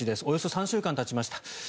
およそ３週間たちました。